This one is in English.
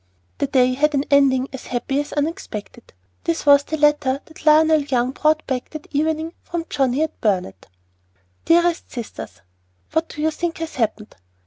The day had an ending as happy as unexpected. This was the letter that Lionel Young brought back that evening from Johnnie at Burnet: DEAREST SISTERS, What do you think has happened?